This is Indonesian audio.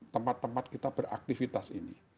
tempat tempat kita beraktivitas ini